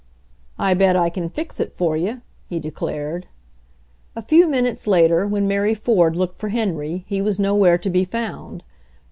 "I bet I c'n fix it for you," he declared. A few minutes later, when Mary Ford looked for Henry, he was nowhere to be found.